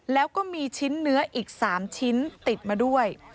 แล้วก็มีชิ้นเนื้ออีก๓ชิ้นติดมาด้วย